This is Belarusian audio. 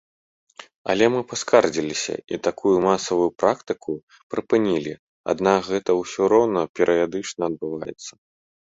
Але мы паскардзіліся, і такую масавую практыку прыпынілі, аднак гэта ўсё роўна перыядычна адбываецца.